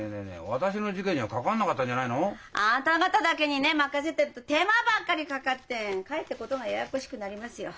私の事件には関わんなかったんじゃないの？あんた方だけにね任せてると手間ばっかりかかってかえって事がややこしくなりますよ。